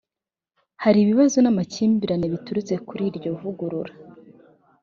Hari ibibazo n’amakimbirane biturutse kuri iryo vugurura